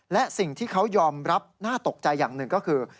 และสิ่งที่เขายอมรับน่าตกใจอย่างหนึ่งก็คือ